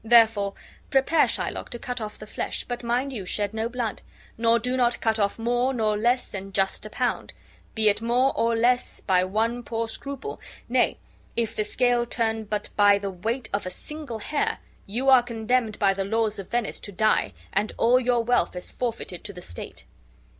Therefore prepare, Shylock, to cut off the flesh; but mind you shed no blood; nor do not cut off more nor less than just a pound; be it more or less by one poor scruple, nay, if the scale turn but by the weight of a single hair, you are condemned by the laws of Venice to die, and all your wealth is forfeited to the state."